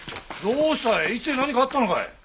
どうしたい市で何かあったのかい？